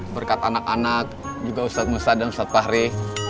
berkat anak anak juga ustadz musta dan ustadz fahri